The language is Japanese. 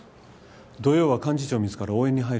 土曜は幹事長自ら応援に入るようです。